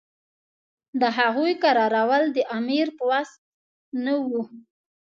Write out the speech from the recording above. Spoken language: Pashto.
د هغوی کرارول د امیر په وس نه وو.